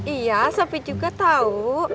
iya sopi juga tau